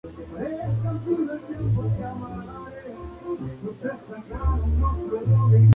Las orejas son largas y tienen bordes basales simples y carecen de bursa marginal.